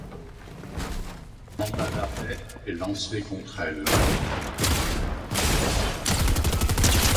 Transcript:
Un mandat d'arrêt est lancé contre elle.